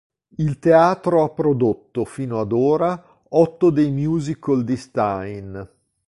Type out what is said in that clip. Il teatro ha prodotto, fino ad ora, otto dei musical di Stein.